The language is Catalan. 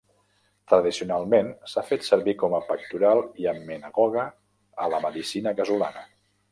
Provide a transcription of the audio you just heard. Tradicionalment, s'ha fet servir com a pectoral i emmenagoga a la medicina casolana.